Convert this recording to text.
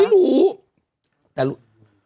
ไม่รู้